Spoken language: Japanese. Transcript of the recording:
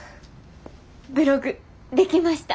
ブログできました。